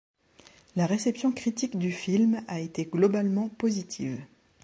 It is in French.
La réception critique du film a été globalement positive.